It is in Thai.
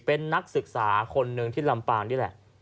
เป็นนักศึกษาคนหนึ่งที่ลำปางนี่แหละ